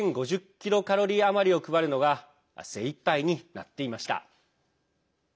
キロカロリー余りを配るのが精いっぱいになっていました。